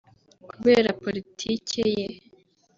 kubera politike ye